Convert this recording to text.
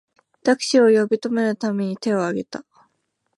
タクシーを呼び止めるために手をあげた